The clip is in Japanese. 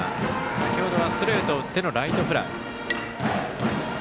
先ほどはストレートを打ってのライトフライ。